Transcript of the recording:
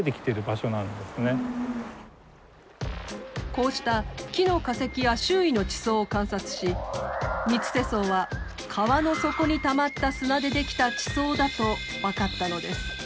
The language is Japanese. こうした木の化石や周囲の地層を観察し三ツ瀬層は川の底にたまった砂で出来た地層だと分かったのです。